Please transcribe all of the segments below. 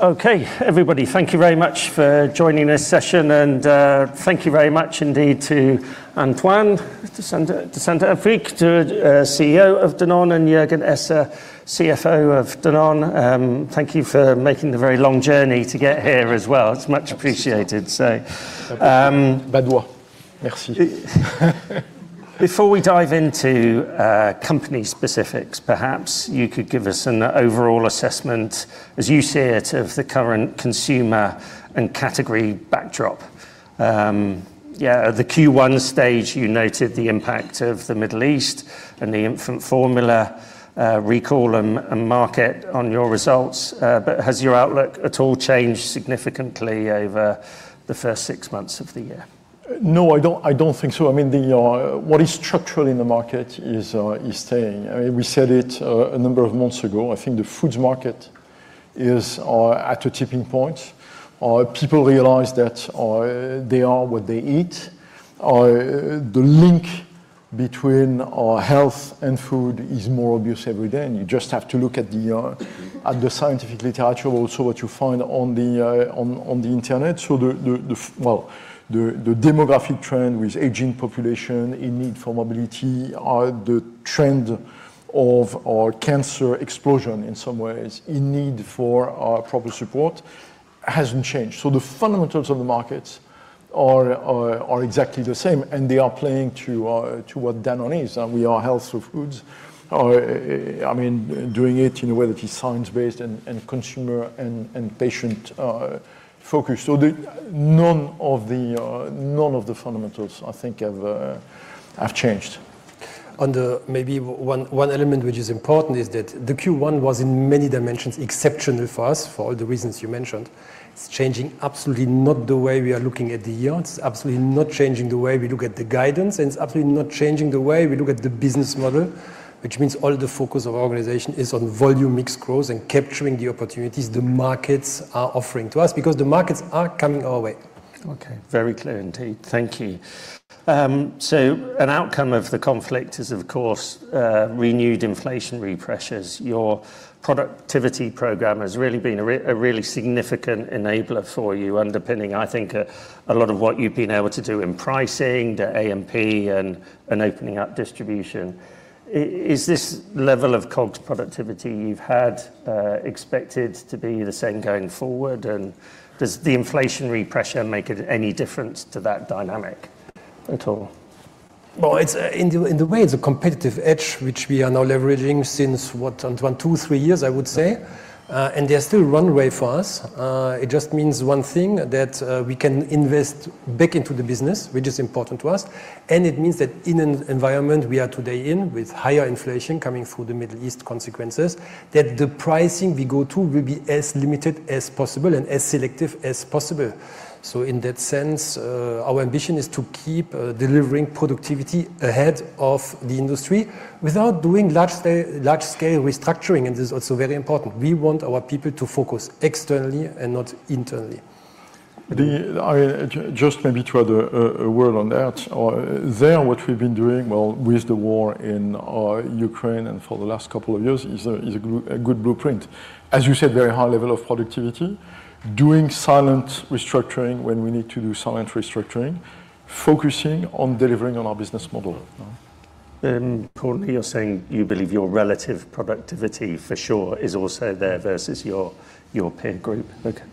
Okay, everybody. Thank you very much for joining this session, and thank you very much indeed to Antoine de Saint-Affrique, CEO of Danone, and Juergen Esser, CFO of Danone. Thank you for making the very long journey to get here as well. It is much appreciated. Before we dive into company specifics, perhaps you could give us an overall assessment as you see it of the current consumer and category backdrop. Yeah, at the Q1 stage, you noted the impact of the Middle East and the infant formula recall and market on your results. Has your outlook at all changed significantly over the first six months of the year? No, I don't think so. What is structural in the market is staying. We said it a number of months ago. I think the foods market is at a tipping point. People realize that they are what they eat. The link between our health and food is more obvious every day. You just have to look at the scientific literature, also what you find on the internet. The demographic trend with aging population in need for mobility or the trend of our cancer explosion in some ways in need for our proper support hasn't changed. The fundamentals of the markets are exactly the same, and they are playing to what Danone is. We are health foods, doing it in a way that is science-based and consumer and patient-focused. None of the fundamentals, I think, have changed. Maybe one element which is important is that the Q1 was, in many dimensions, exceptional for us for all the reasons you mentioned. It's changing absolutely not the way we are looking at the yields, absolutely not changing the way we look at the guidance, and it's absolutely not changing the way we look at the business model, which means all the focus of our organization is on volume mix growth and capturing the opportunities the markets are offering to us because the markets are coming our way. Okay. Very clear indeed. Thank you. An outcome of the conflict is, of course, renewed inflationary pressures. Your productivity program has really been a really significant enabler for you, underpinning, I think, a lot of what you've been able to do in pricing, the A&P, and opening up distribution. Is this level of COGS productivity you've had expected to be the same going forward, and does the inflationary pressure make any difference to that dynamic at all? In a way, it's a competitive edge, which we are now leveraging since what, Antoine, two, three years, I would say. There's still runway for us. It just means one thing, that we can invest back into the business, which is important to us, and it means that in an environment we are today in with higher inflation coming through the Middle East consequences, that the pricing we go to will be as limited as possible and as selective as possible. In that sense, our ambition is to keep delivering productivity ahead of the industry without doing large-scale restructuring, and this is also very important. We want our people to focus externally and not internally. Just maybe to add a word on that. There, what we've been doing, well, with the war in Ukraine and for the last couple of years, is a good blueprint. As you said, very high level of productivity, doing silent restructuring when we need to do silent restructuring, focusing on delivering on our business model. Importantly, you're saying you believe your relative productivity for sure is also there versus your peer group. Okay.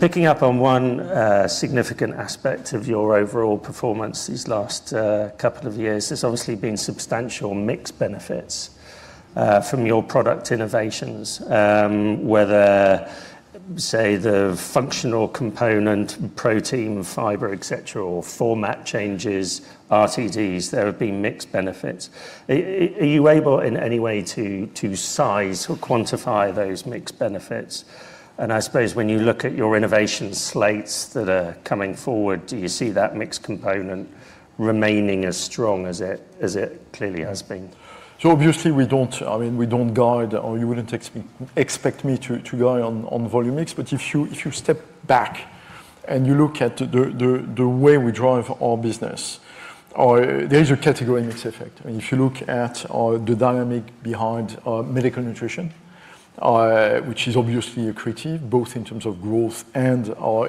Picking up on one significant aspect of your overall performance these last couple of years, there's obviously been substantial mix benefits from your product innovations, whether, say, the functional component, protein, fiber, et cetera, or format changes, RTDs, there have been mix benefits. Are you able in any way to size or quantify those mix benefits? I suppose when you look at your innovation slates that are coming forward, do you see that mix component remaining as strong as it clearly has been? Obviously, we don't guide, or you wouldn't expect me to guide on volume mix. But if you step back and you look at the way we drive our business, there is a category mix effect. If you look at the dynamic behind medical nutrition, which is obviously accretive both in terms of growth and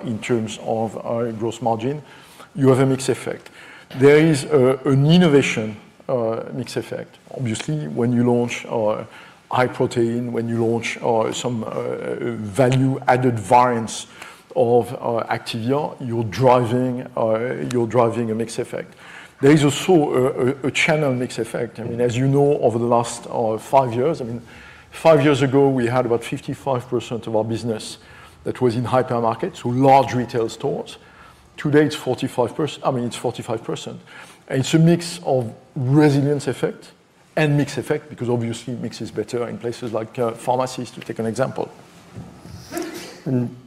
in terms of our gross margin, you have a mix effect. There is an innovation mix effect. Obviously, when you launch high protein, when you launch some value-added variants of Activia, you're driving a mix effect. There is also a channel mix effect. As you know, over the last five years, five years ago, we had about 55% of our business that was in hypermarkets or large retail stores. Today, it's 45%. And it's a mix of resilience effect and mix effect because obviously mix is better in places like pharmacies, to take an example.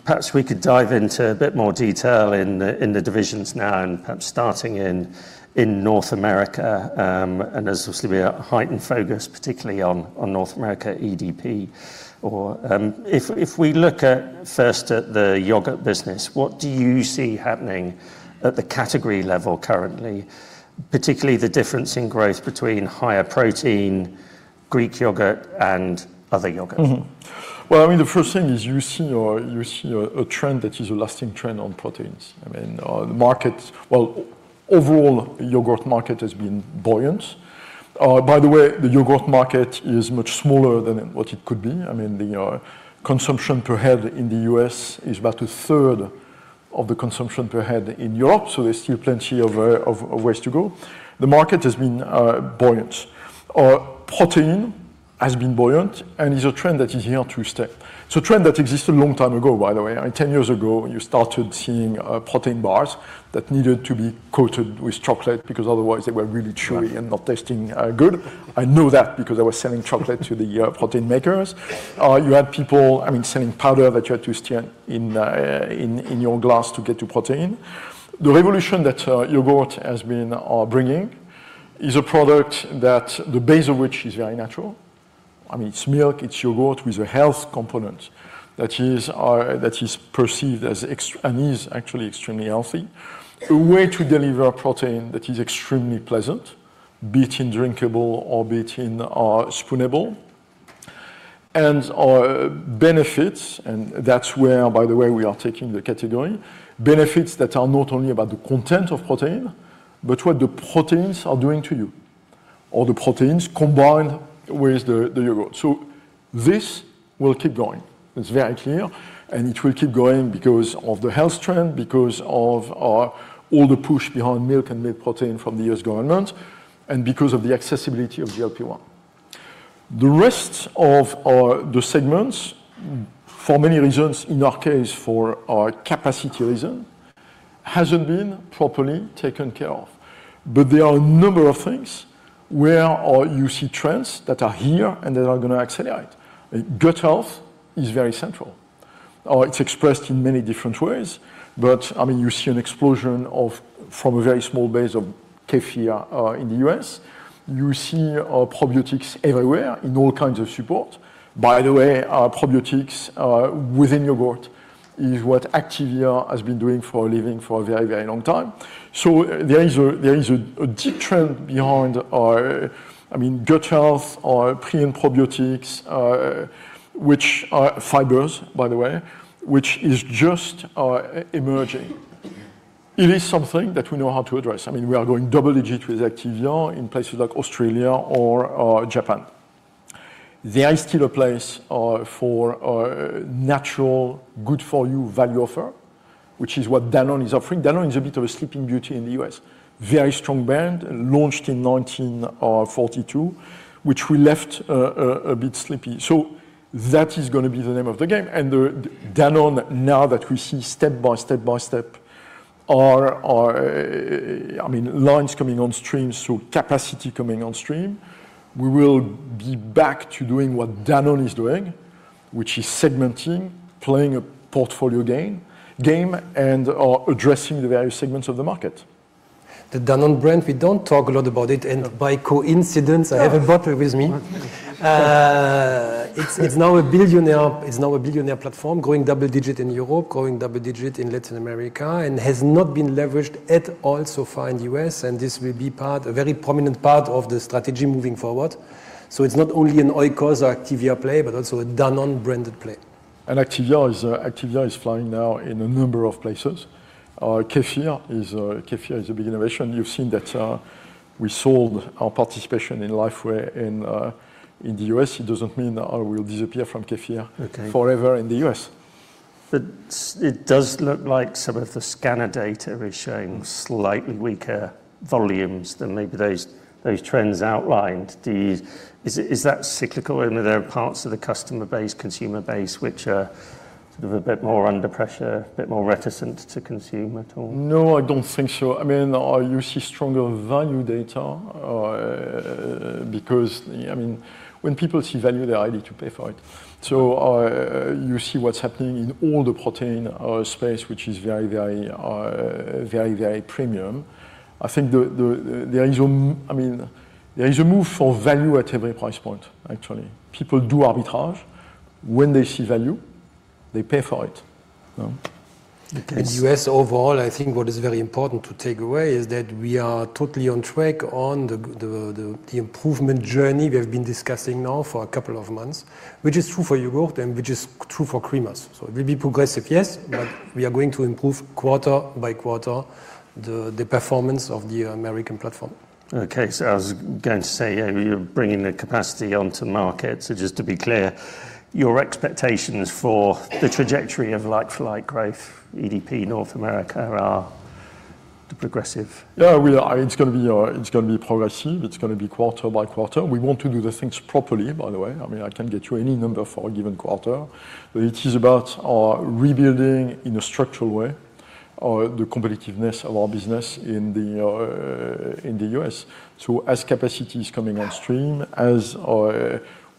Perhaps we could dive into a bit more detail in the divisions now and perhaps starting in North America. There's obviously a heightened focus, particularly on North America EDP. If we look at first at the yogurt business, what do you see happening at the category level currently? Particularly the difference in growth between higher protein Greek yogurt and other yogurt. Well, the first thing is you see a trend that is a lasting trend on proteins. Well, overall yogurt market has been buoyant. By the way, the yogurt market is much smaller than what it could be. The consumption per head in the U.S. is about a 1/3 of the consumption per head in Europe, so there's still plenty of ways to go. The market has been buoyant. Protein has been buoyant, and is a trend that is here to stay. It's a trend that existed a long time ago, by the way. 10 years ago, you started seeing protein bars that needed to be coated with chocolate because otherwise they were really chewy and not tasting good. I know that because I was selling chocolate to the protein makers. You had people selling powder that you had to stir in your glass to get your protein. The revolution that yogurt has been bringing is a product that the base of which is very natural. It's milk, it's yogurt with a health component that is perceived as, and is actually extremely healthy. A way to deliver protein that is extremely pleasant, be it in drinkable or be it in spoonable. Benefits, and that's where, by the way, we are taking the category. Benefits that are not only about the content of protein, but what the proteins are doing to you, or the proteins combined with the yogurt. This will keep going. It's very clear, and it will keep going because of the health trend, because of all the push behind milk and milk protein from the U.S. government, and because of the accessibility of the GLP-1. The rest of the segments, for many reasons, in our case for our capacity reason, hasn't been properly taken care of. There are a number of things where you see trends that are here and that are going to accelerate. Gut health is very central. It's expressed in many different ways, but you see an explosion from a very small base of kefir in the U.S. You see probiotics everywhere in all kinds of support. By the way, probiotics within yogurt is what Activia has been doing for a living for a very long time. There is a deep trend behind gut health, pre and probiotics, fibers, by the way, which is just emerging. It is something that we know how to address. We are going double-digit with Activia in places like Australia or Japan. There is still a place for natural good-for-you value offer, which is what Danone is offering. Danone is a bit of a sleeping beauty in the U.S. Very strong brand, launched in 1942, which we left a bit sleepy. Danone, now that we see step by step our lines coming on stream, so capacity coming on stream. We will be back to doing what Danone is doing, which is segmenting, playing a portfolio game, and addressing the various segments of the market. The Danone brand, we don't talk a lot about it, and by coincidence, I have a bottle with me. It's now a billion-platform, growing double-digit in Europe, growing double-digit in Latin America, and has not been leveraged at all so far in the U.S., and this will be a very prominent part of the strategy moving forward. It's not only an Oikos or Activia play, but also a Danone-branded play. Activia is flying now in a number of places. Kefir is a big innovation. You've seen that we sold our participation in Lifeway in the U.S. It doesn't mean that I will disappear from kefir forever in the U.S. Okay. It does look like some of the scanner data is showing slightly weaker volumes than maybe those trends outlined. Is that cyclical? I mean, are there parts of the customer base, consumer base, which are sort of a bit more under pressure, a bit more reticent to consume at all? No, I don't think so. You see stronger value data, because when people see value, they are ready to pay for it. You see what's happening in all the protein space, which is very premium. I think there is a move for value at every price point, actually. People do arbitrage. When they see value, they pay for it. In the U.S. overall, I think what is very important to take away is that we are totally on track on the improvement journey we have been discussing now for a couple of months, which is true for yogurt and which is true for creamers. It will be progressive, yes, but we are going to improve quarter-by-quarter the performance of the American platform. Okay. I was going to say, you're bringing the capacity onto market. Just to be clear, your expectations for the trajectory of like-for-like growth, EDP North America, are progressive. Yeah, it's going to be progressive. It's going to be quarter-by-quarter. We want to do the things properly, by the way. I can get you any number for a given quarter. It is about rebuilding in a structural way, the competitiveness of our business in the U.S. As capacity is coming on stream, as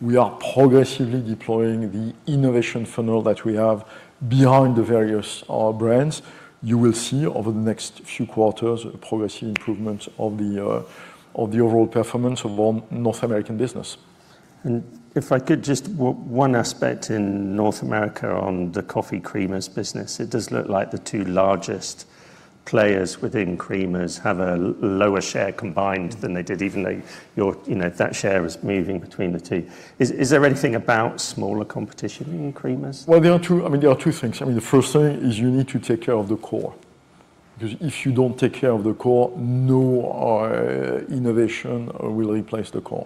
we are progressively deploying the innovation funnel that we have behind the various brands, you will see over the next few quarters a progressive improvement of the overall performance of our North American business. If I could, just one aspect in North America on the coffee creamers business, it does look like the two largest players within creamers have a lower share combined than they did, even though that share is moving between the two. Is there anything about smaller competition in creamers? There are two things. The first thing is you need to take care of the core, because if you don't take care of the core, no innovation will replace the core.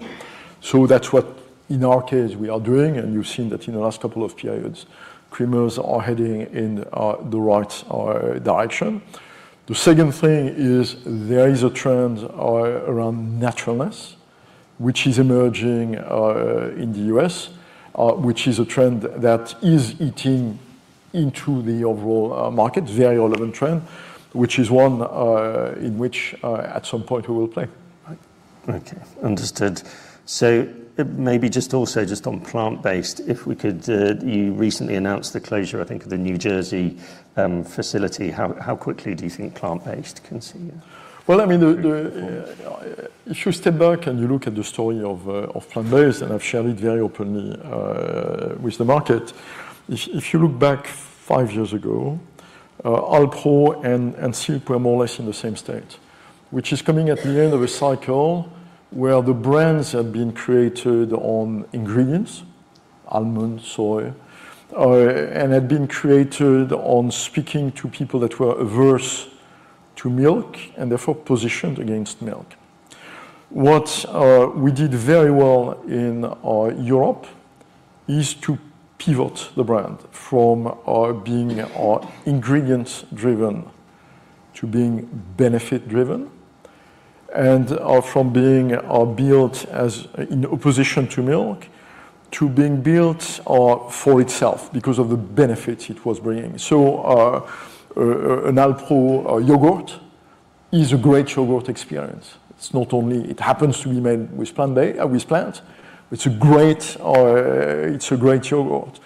That's what, in our case, we are doing, and you've seen that in the last couple of periods. Creamers are heading in the right direction. The second thing is there is a trend around naturalness, which is emerging in the U.S., which is a trend that is eating into the overall market. Very relevant trend, which is one in which at some point we will play. Okay. Understood. Maybe just also just on plant-based, if we could, you recently announced the closure, I think, of the New Jersey facility. How quickly do you think plant-based can see? Well, if you step back and you look at the story of plant-based, and I've shared it very openly with the market. If you look back five years ago, Alpro and Silk were more or less in the same state, which is coming at the end of a cycle where the brands had been created on ingredients, almond, soy, and had been created on speaking to people that were averse to milk, and therefore positioned against milk. What we did very well in Europe is to pivot the brand from being ingredient driven to being benefit driven, and from being built as in opposition to milk to being built for itself because of the benefits it was bringing. An Alpro yogurt is a great yogurt experience. It happens to be made with plant. It's a great yogurt.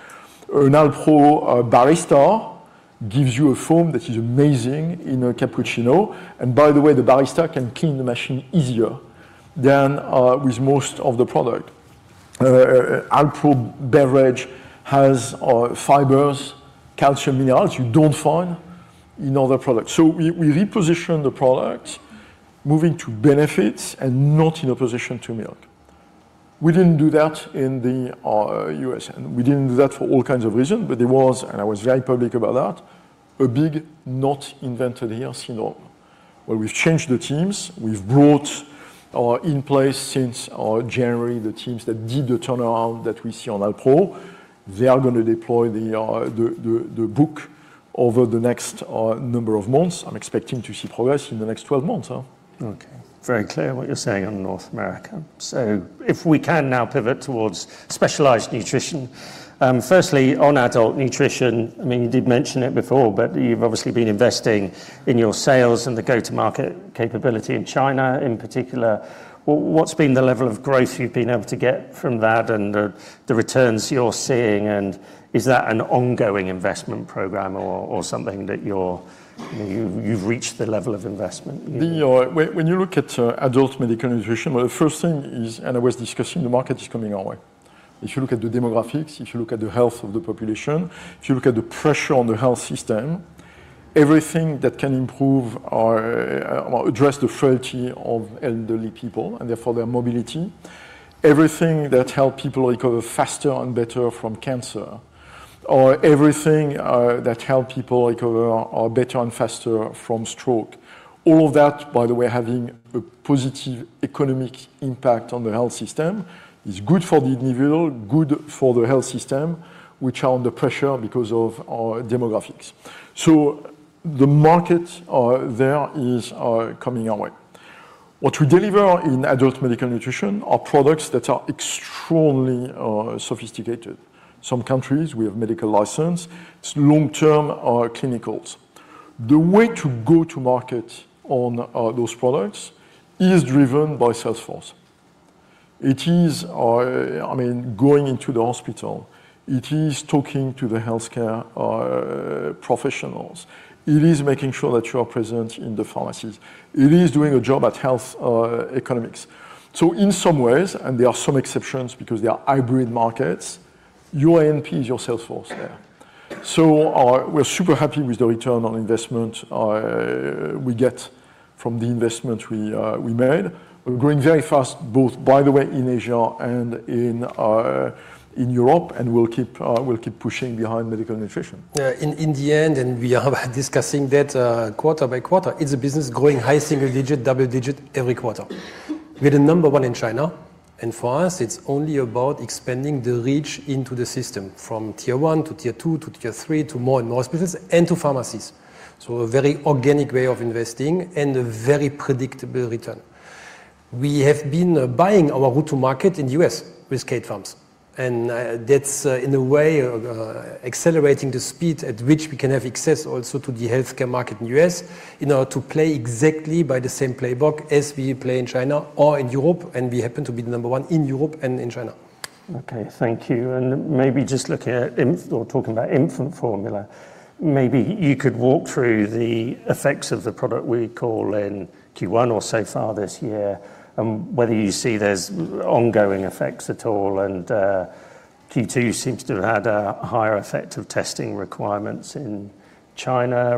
An Alpro barista gives you a foam that is amazing in a cappuccino, and by the way, the barista can clean the machine easier than with most of the product. Alpro beverage has fibers, calcium, minerals you don't find in other products. We reposition the product, moving to benefits and not in opposition to milk. We didn't do that in the U.S., and we didn't do that for all kinds of reasons. There was, and I was very public about that, a big not invented here syndrome, where we've changed the teams. We've brought in place since January the teams that did the turnaround that we see on Alpro. They are going to deploy the book over the next number of months. I'm expecting to see progress in the next 12 months. Okay. Very clear what you're saying on North America. If we can now pivot towards specialized nutrition. Firstly, on adult nutrition, you did mention it before, but you've obviously been investing in your sales and the go-to-market capability in China in particular. What's been the level of growth you've been able to get from that and the returns you're seeing, and is that an ongoing investment program or something that you've reached the level of investment? When you look at adult medical nutrition, well, the first thing is, and I was discussing, the market is coming our way. If you look at the demographics, if you look at the health of the population, if you look at the pressure on the health system, everything that can improve or address the frailty of elderly people and therefore their mobility, everything that help people recover faster and better from cancer, or everything that help people recover better and faster from stroke. All of that, by the way, having a positive economic impact on the health system is good for the individual, good for the health system, which are under pressure because of our demographics. The market there is coming our way. What we deliver in adult medical nutrition are products that are extremely sophisticated. Some countries, we have medical license. It's long-term clinicals. The way to go to market on those products is driven by sales force. It is going into the hospital. It is talking to the healthcare professionals. It is making sure that you are present in the pharmacies. It is doing a job at health economics. In some ways, and there are some exceptions because they are hybrid markets, your A&P is your sales force there. We're super happy with the return on investment we get from the investment we made. We're growing very fast both, by the way, in Asia and in Europe, and we'll keep pushing behind medical nutrition. Yeah. In the end, we are discussing that quarter by quarter, it's a business growing high single-digit, double-digit every quarter. We are the number one in China, for us, it's only about expanding the reach into the system, from Tier 1 to Tier 2 to Tier 3 to more and more hospitals and to pharmacies. A very organic way of investing and a very predictable return. We have been buying our go-to market in the U.S. with Kate Farms, that's in a way accelerating the speed at which we can have access also to the healthcare market in U.S. in order to play exactly by the same playbook as we play in China or in Europe, we happen to be the number one in Europe and in China. Okay. Thank you. Maybe just looking at or talking about infant formula, maybe you could walk through the effects of the product recall in Q1 or so far this year, and whether you see there's ongoing effects at all and Q2 seems to have had a higher effect of testing requirements in China.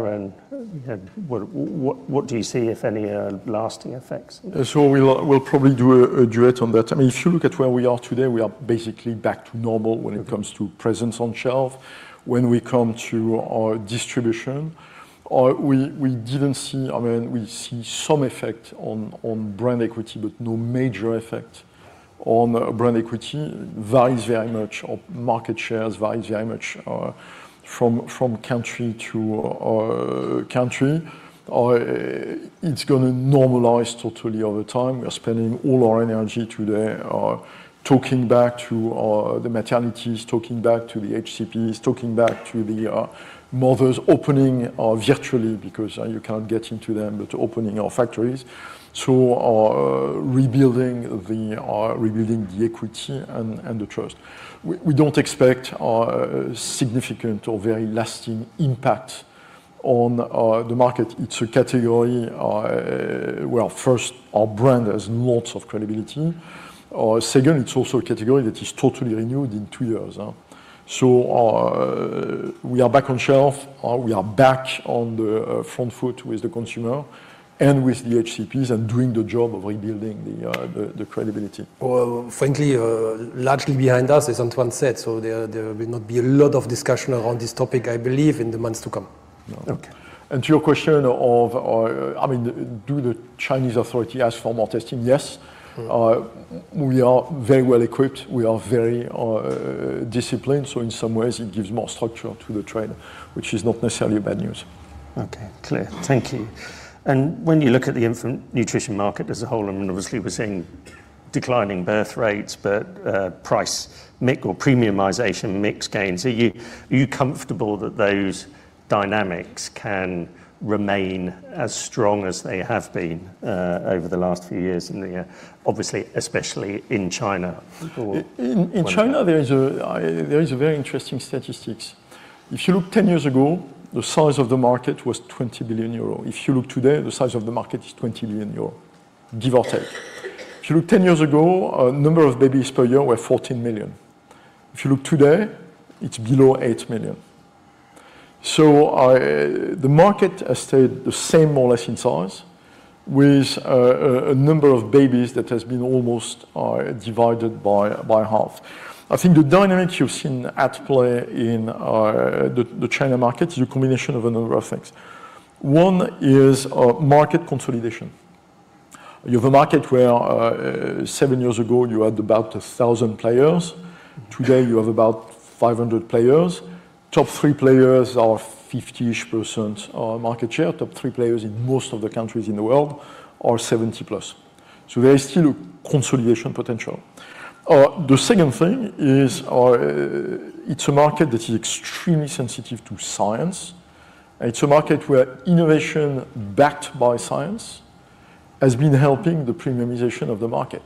What do you see, if any, lasting effects? We'll probably do a duet on that. If you look at where we are today, we are basically back to normal when it comes to presence on shelf. When we come to our distribution, we see some effect on brand equity, but no major effect on brand equity. Market shares varies very much from country to country. It's going to normalize totally over time. We are spending all our energy today talking back to the maternities, talking back to the HCPs, talking back to the mothers. Opening up virtually, because you can't get into them, opening our factories. Rebuilding the equity and the trust. We don't expect a significant or very lasting impact on the market. Well, first, our brand has lots of credibility. Second, it's also a category that is totally renewed in two years. We are back on shelf, we are back on the front foot with the consumer and with the HCPs, and doing the job of rebuilding the credibility. Well, frankly, largely behind us, as Antoine said. There will not be a lot of discussion around this topic, I believe, in the months to come. Okay. To your question of do the Chinese authority ask for more testing? Yes. We are very well-equipped. We are very disciplined. In some ways, it gives more structure to the trade, which is not necessarily bad news. Okay. Clear. Thank you. When you look at the infant nutrition market as a whole, and obviously we're seeing declining birth rates, but price or premiumization mix gains. Are you comfortable that those dynamics can remain as strong as they have been over the last few years, obviously especially in China? In China, there is a very interesting statistics. If you look 10 years ago, the size of the market was 20 billion euro. If you look today, the size of the market is 20 billion euro, give or take. If you look 10 years ago, number of babies per year were 14 million. If you look today, it's below eight million. The market has stayed the same, more or less, in size, with a number of babies that has been almost divided by half. I think the dynamics you've seen at play in the China market is a combination of a number of things. One is market consolidation. You have a market where seven years ago you had about 1,000 players. Today, you have about 500 players. Top three players are 50%-ish market share. Top three players in most of the countries in the world are 70%+. There is still consolidation potential. The second thing is it's a market that is extremely sensitive to science. It's a market where innovation backed by science has been helping the premiumization of the market.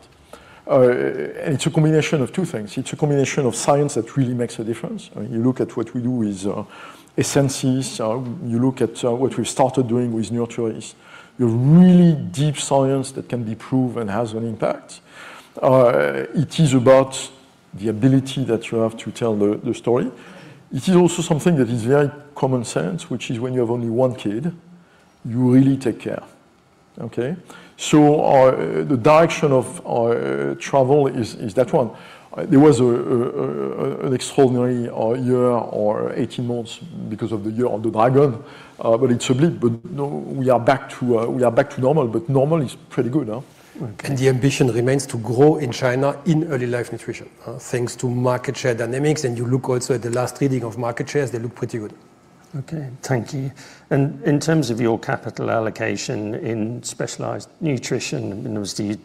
It's a combination of two things. It's a combination of science that really makes a difference. You look at what we do with Essensis. You look at what we've started doing with Nutricia. You have really deep science that can be proved and has an impact. It is about the ability that you have to tell the story. It is also something that is very common sense, which is when you have only one kid, you really take care. Okay? The direction of our travel is that one. There was an extraordinary year or 18 months because of the year of the dragon, but it's a blip. Now we are back to normal. Normal is pretty good, no? Okay. The ambition remains to grow in China in early life nutrition, thanks to market share dynamics. You look also at the last reading of market shares, they look pretty good. Okay. Thank you. In terms of your capital allocation in specialized nutrition, and obviously you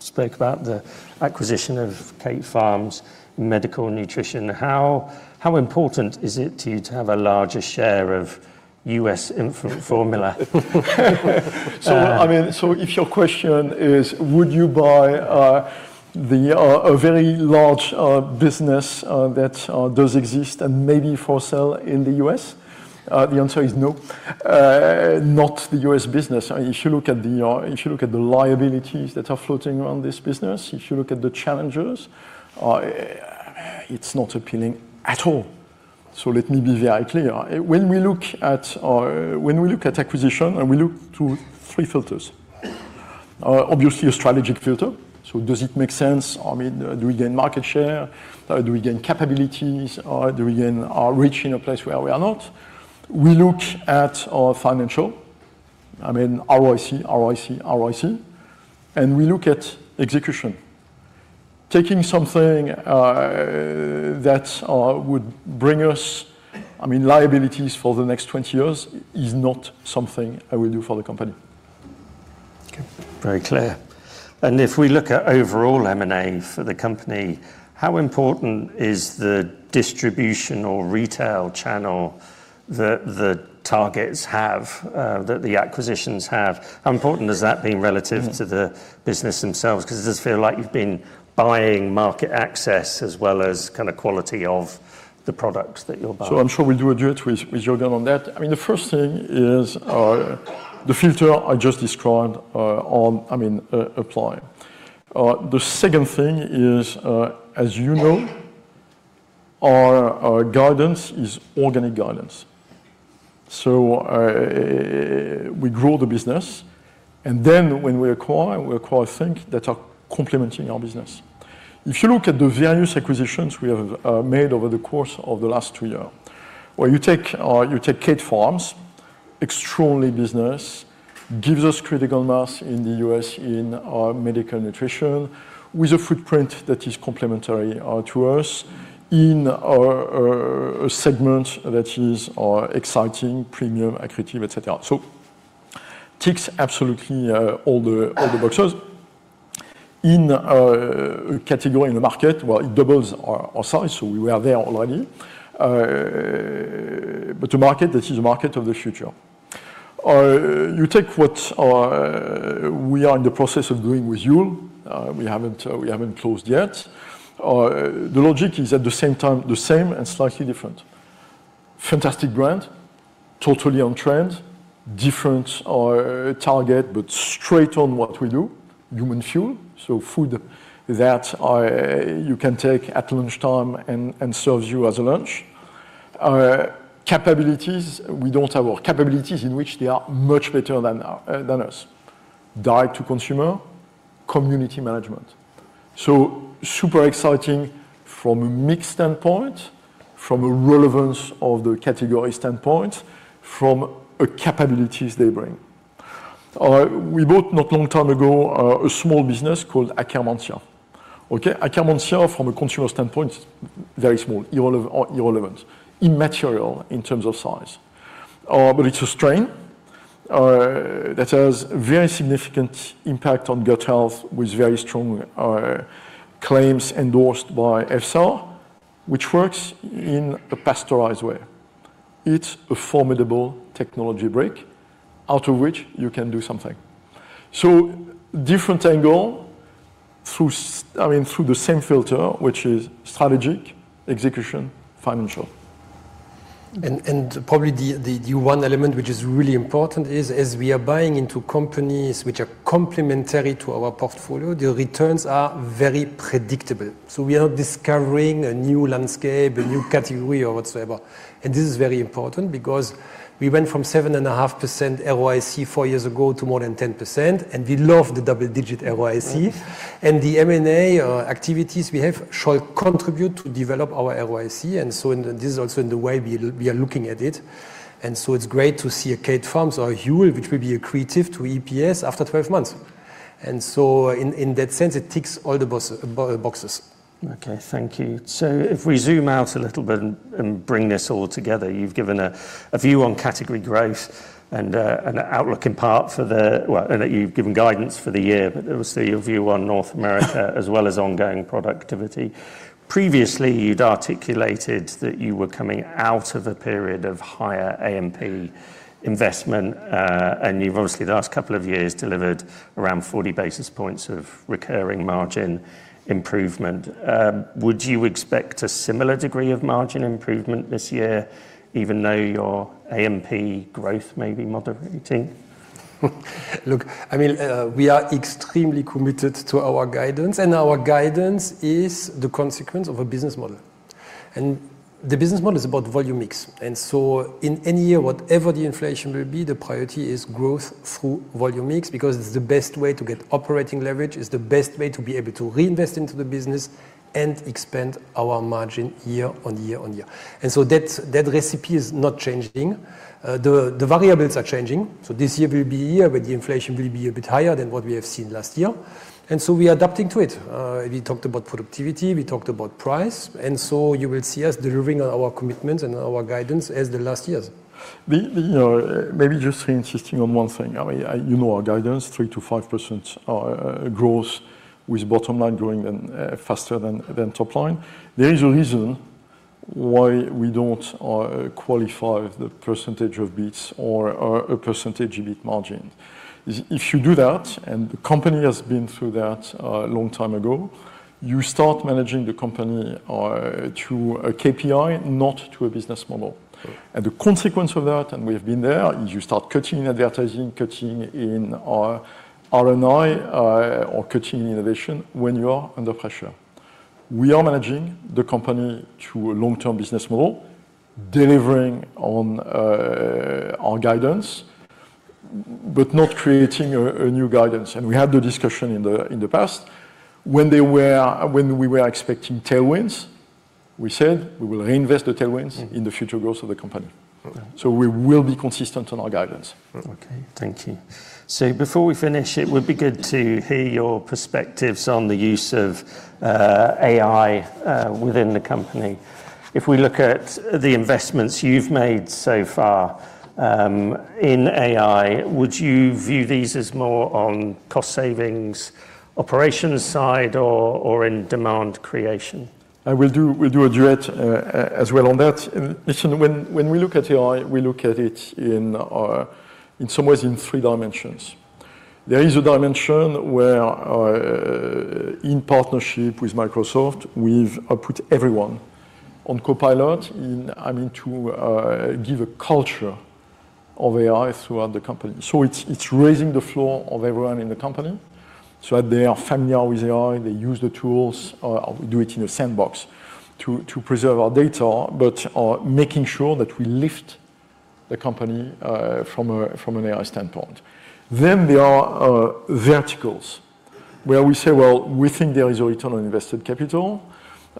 spoke about the acquisition of Kate Farms medical nutrition, how important is it to you to have a larger share of U.S. infant formula? If your question is would you buy a very large business that does exist and may be for sale in the U.S.? The answer is no. Not the U.S. business. If you look at the liabilities that are floating around this business, if you look at the challenges, it's not appealing at all. Let me be very clear. When we look at acquisition, we look through three filters. Obviously, a strategic filter. Does it make sense? Do we gain market share? Do we gain capabilities? Do we gain reach in a place where we are not? We look at our financial. ROIC. We look at execution. Taking something that would bring us liabilities for the next 20 years is not something I will do for the company. Okay. Very clear. If we look at overall M&A for the company, how important is the distribution or retail channel that the targets have, that the acquisitions have? How important has that been relative to the business themselves? Because it does feel like you've been buying market access as well as kind of quality of the products that you're buying. I'm sure we'll do a duet with Juergen on that. The first thing is the filter I just described applying. The second thing is, as you know. Our guidance is organic guidance. We grow the business, and then when we acquire, we acquire things that are complementing our business. You look at the various acquisitions we have made over the course of the last two year, where you take Kate Farms, extraordinary business, gives us critical mass in the U.S. in our medical nutrition, with a footprint that is complementary to us in a segment that is exciting, premium, accretive, et cetera. Ticks absolutely all the boxes. In a category in the market, well, it doubles our size, so we were there already. A market that is a market of the future. You take what we are in the process of doing with Huel. We haven't closed yet. The logic is at the same time the same and slightly different. Fantastic brand, totally on trend, different target, but straight on what we do, human fuel, so food that you can take at lunchtime and serves you as a lunch. Capabilities, we don't have capabilities in which they are much better than us. Direct to consumer, community management. Super exciting from a mix standpoint, from a relevance of the category standpoint, from a capabilities they bring. We bought not long time ago, a small business called Akkermansia. Okay. Akkermansia from a consumer standpoint is very small. Irrelevant. Immaterial in terms of size. It's a strain that has very significant impact on gut health with very strong claims endorsed by EFSA, which works in a pasteurized way. It's a formidable technology break out of which you can do something. Different angle through the same filter, which is strategic execution, financial. Probably the one element which is really important is as we are buying into companies which are complementary to our portfolio, the returns are very predictable. We are discovering a new landscape, a new category or whatsoever. This is very important because we went from 7.5% ROIC four years ago to more than 10%, and we love the double-digit ROIC. Right. The M&A activities we have shall contribute to develop our ROIC, and so this is also in the way we are looking at it. It's great to see a Kate Farms or a Huel, which will be accretive to EPS after 12 months. In that sense, it ticks all the boxes. Okay. Thank you. If we zoom out a little bit and bring this all together, you've given a view on category growth and an outlook in part, and that you've given guidance for the year, but obviously your view on North America as well as ongoing productivity. Previously, you'd articulated that you were coming out of a period of higher A&P investment, and you've obviously the last couple of years delivered around 40 basis points of recurring margin improvement. Would you expect a similar degree of margin improvement this year, even though your A&P growth may be moderating? Look, we are extremely committed to our guidance, and our guidance is the consequence of a business model. The business model is about volume mix. In any year, whatever the inflation will be, the priority is growth through volume mix, because it's the best way to get operating leverage, it's the best way to be able to reinvest into the business and expand our margin year on year on year. That recipe is not changing. The variables are changing. This year will be a year where the inflation will be a bit higher than what we have seen last year. We are adapting to it. We talked about productivity, we talked about price. You will see us delivering on our commitments and our guidance as the last years. Maybe just insisting on one thing. You know our guidance, 3%-5% growth with bottom line growing faster than top line. There is a reason why we don't qualify the percentage of bips or a percentage EBIT margin. If you do that, and the company has been through that a long time ago, you start managing the company through a KPI, not through a business model. The consequence of that, and we have been there, is you start cutting advertising, cutting in our R&I or cutting innovation when you are under pressure. We are managing the company through a long-term business model, delivering on our guidance, but not creating a new guidance. We had the discussion in the past when we were expecting tailwinds, we said we will reinvest the tailwinds in the future growth of the company. Okay. We will be consistent on our guidance. Okay. Thank you. Before we finish, it would be good to hear your perspectives on the use of AI within the company. If we look at the investments you've made so far in AI, would you view these as more on cost savings, operations side, or in demand creation? I will do a duet as well on that. Christian, when we look at AI, we look at it in some ways in three dimensions. There is a dimension where, in partnership with Microsoft, we've put everyone on Copilot to give a culture of AI throughout the company. It's raising the floor of everyone in the company so that they are familiar with AI, they use the tools, or we do it in a sandbox to preserve our data, but are making sure that we lift the company from an AI standpoint. There are verticals where we say, "Well, we think there is a return on invested capital,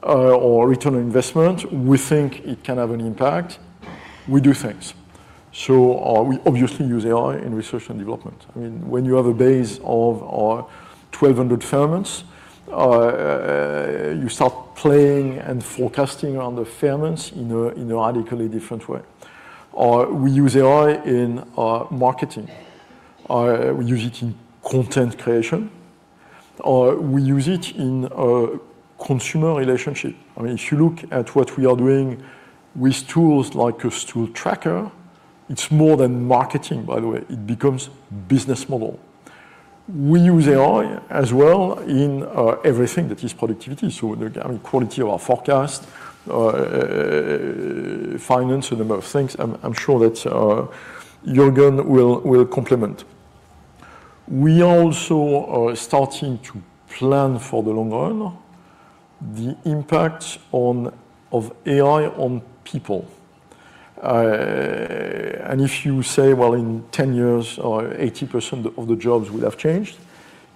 or return on investment. We think it can have an impact." We do things. We obviously use AI in research and development. When you have a base of 1,200 ferments, you start playing and forecasting around the ferments in a radically different way. We use AI in our marketing, or we use it in content creation, or we use it in consumer relationship. If you look at what we are doing with tools like a tool tracker, it's more than marketing, by the way. It becomes business model. We use AI as well in everything that is productivity, so the quality of our forecast, finance, and a number of things. I'm sure that Juergen will complement. We also are starting to plan for the long run, the impact of AI on people. If you say, well, in 10 years or 80% of the jobs would have changed,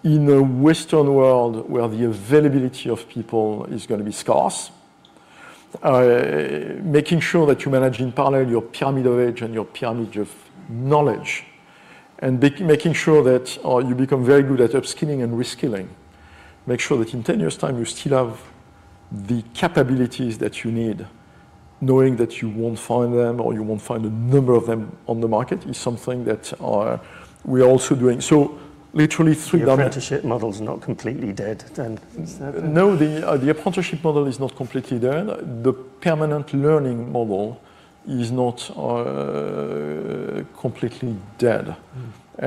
in a Western world where the availability of people is going to be scarce, making sure that you manage in parallel your pyramid of age and your pyramid of knowledge, and making sure that you become very good at upskilling and reskilling. Make sure that in 10 years' time, you still have the capabilities that you need, knowing that you won't find them or you won't find a number of them on the market is something that we are also doing. Literally three dim-. The apprenticeship model's not completely dead then, is that it? No, the apprenticeship model is not completely dead. The permanent learning model is not completely dead.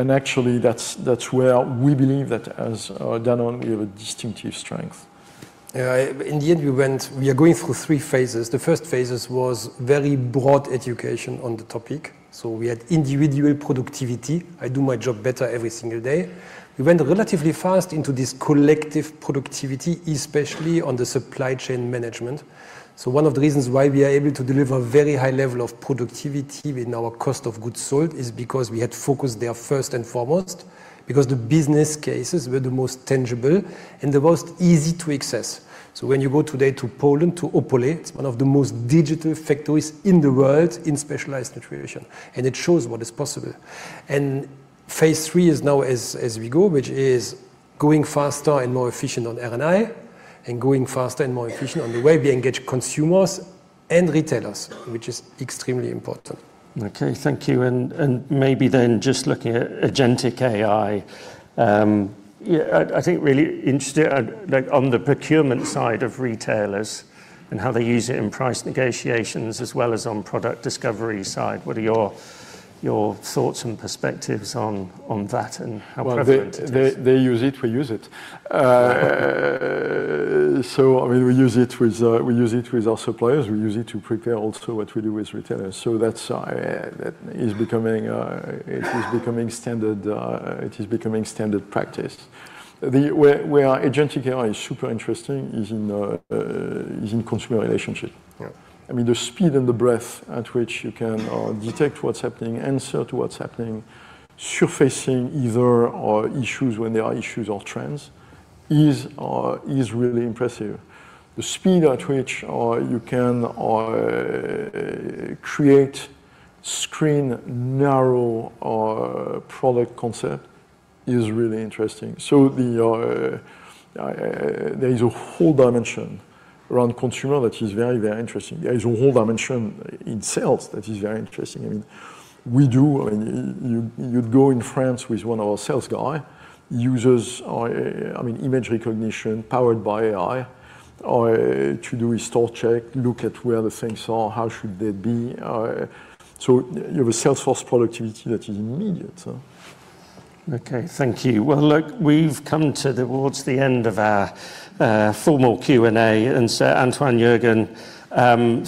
Actually, that's where we believe that as Danone, we have a distinctive strength. Yeah. In the end, we are going through three phases. The first phases was very broad education on the topic. We had individual productivity. I do my job better every single day. We went relatively fast into this collective productivity, especially on the supply chain management. One of the reasons why we are able to deliver very high level of productivity with our cost of goods sold is because we had focused there first and foremost, because the business cases were the most tangible and the most easy to access. When you go today to Poland, to Opole, it's one of the most digital factories in the world in specialized nutrition, and it shows what is possible. Phase III is now as we go, which is going faster and more efficient on R&I, and going faster and more efficient on the way we engage consumers and retailers, which is extremely important. Okay, thank you. Maybe just looking at agentic AI, I think really interesting on the procurement side of retailers and how they use it in price negotiations as well as on product discovery side. What are your thoughts and perspectives on that and how prevalent it is? Well, they use it, we use it. We use it with our suppliers. We use it to prepare also what we do with retailers. That is becoming standard practice. Where agentic AI is super interesting is in consumer relationship. Yeah. The speed and the breadth at which you can detect what's happening, answer to what's happening, surfacing either issues when there are issues or trends, is really impressive. The speed at which you can create screen narrow or product concept is really interesting. There is a whole dimension around consumer that is very interesting. There is a whole dimension in sales that is very interesting. You'd go in France with one of our sales guy, uses image recognition powered by AI to do a store check, look at where the things are, how should they be? You have a sales force productivity that is immediate. Okay, thank you. Well, look, we've come towards the end of our formal Q&A. Antoine, Juergen,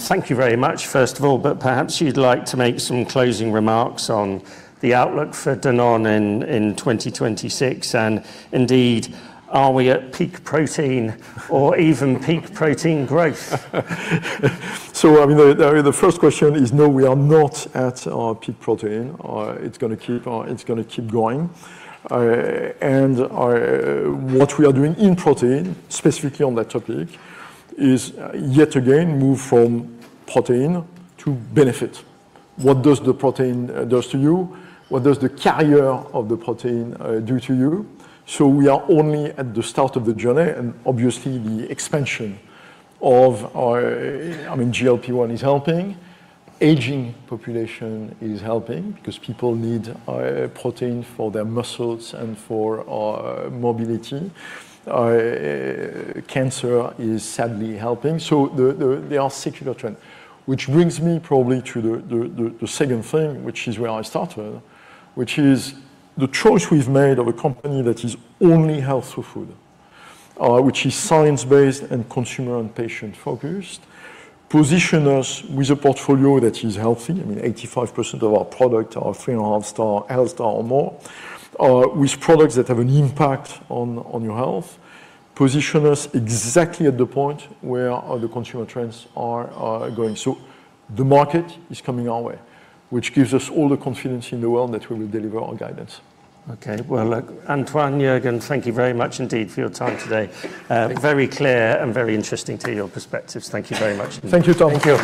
thank you very much, first of all. Perhaps you'd like to make some closing remarks on the outlook for Danone in 2026, and indeed, are we at peak protein or even peak protein growth? The first question is, no, we are not at our peak protein. It's going to keep going. What we are doing in protein, specifically on that topic, is yet again, move from protein to benefit. What does the protein does to you? What does the carrier of the protein do to you? We are only at the start of the journey, and obviously the expansion of our GLP-1 is helping. Aging population is helping because people need protein for their muscles and for mobility. Cancer is sadly helping. There are secular trend. Which brings me probably to the second thing, which is where I started, which is the choice we've made of a company that is only health through food, which is science-based and consumer and patient-focused. Position us with a portfolio that is healthy, 85% of our product are three and a half star, health star, or more, with products that have an impact on your health. Position us exactly at the point where the consumer trends are going. The market is coming our way, which gives us all the confidence in the world that we will deliver our guidance. Okay. Well, look, Antoine, Juergen, thank you very much indeed for your time today. Thank you. Very clear and very interesting to hear your perspectives. Thank you very much indeed. Thank you too. Thank you.